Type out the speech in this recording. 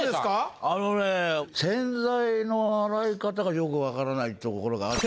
あのね洗剤の洗い方がよく分からないところがあって。